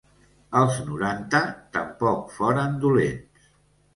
Els noranta tampoc foren dolents.